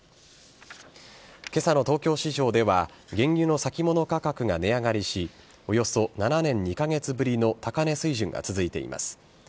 けさの東京市場では、原油の先物価格が値上がりし、およそ７年２か月ぶりの高値水準が続いています。